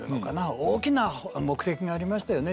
大きな目的がありましたよね